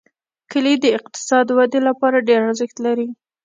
کلي د اقتصادي ودې لپاره ډېر ارزښت لري.